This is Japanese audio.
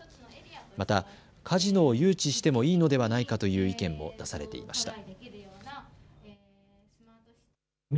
またカジノを誘致してもいいのではないかという意見も出されていました。